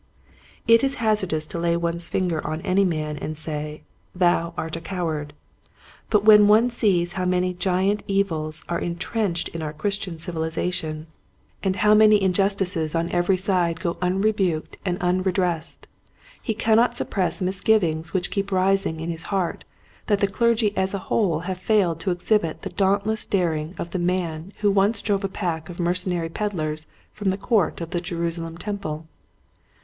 It is hazardous to lay one's finger on any man and say, " Thou art a coward !" But when one sees how many giant evils are intrenched in our Christian civilization, Cowardice. 5 5 and how many injustices on every side go unrebuked and unredressed, he cannot sup press misgivings which keep rising in his heart that the clergy as a whole have failed to exhibit the dauntless daring of the Man who once drove a pack of mercenary ped lers from the court of the Jerusalem tem ple.